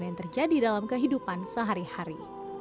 yang terjadi dalam kehidupan sehari hari